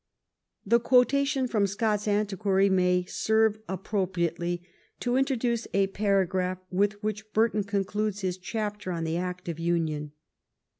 The quotation from Scott's Antiquary may servo appropriately to introduce a paragraph with which Burton concludes his chapter on the act of union.